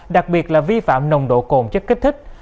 đặc biệt là vi phạm nồng độ cồn chất kích thích